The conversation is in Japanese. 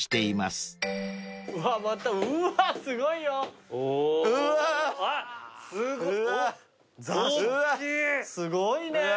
すごいねぇ。